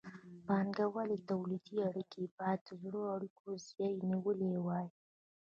بانګوالي تولیدي اړیکې باید د زړو اړیکو ځای نیولی وای.